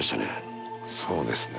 そうですね。